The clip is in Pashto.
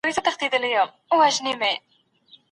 ولي په پانګه وال نظام کي استثمار وي؟